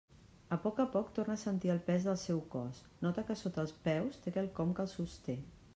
A poc a poc torna a sentir el pes del seu cos, nota que sota els peus té quelcom que el sosté.